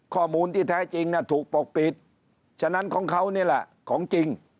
ข้อมูลที่แท้จริงถูกปกปิดฉะนั้นของเขานี่แหละของจริง